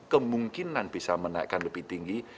kemungkinan bisa menaikkan lebih tinggi